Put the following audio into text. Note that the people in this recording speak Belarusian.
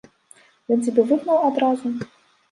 Ён цябе выгнаў адразу?